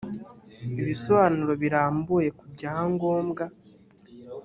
ibisobanuro birambuye ku byangombwa